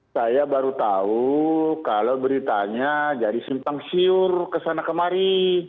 saya baru tahu kalau beritanya jadi simpang siur kesana kemari